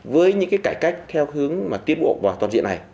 với những cái cải cách theo hướng tiến bộ